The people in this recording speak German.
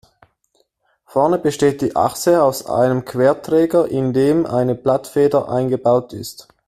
Vorne besteht die Achse aus einem Querträger, in den eine Blattfeder eingebaut ist.